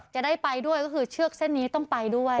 จะได้ไปด้วยก็คือเชือกเส้นนี้ต้องไปด้วย